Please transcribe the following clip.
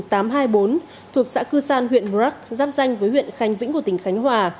thuộc xã cư san huyện mờ rắc giáp danh với huyện khánh vĩnh của tỉnh khánh hòa